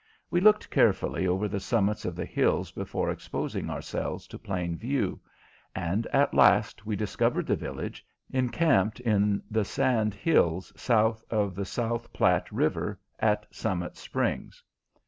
We looked carefully over the summits of the hills before exposing ourselves to plain view, and at last we discovered the village, encamped in the sand hills south of the South Platte River at Summit Springs.